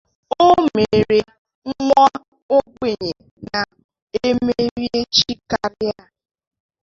Omere nwaogbenye na-emere Chi kere ya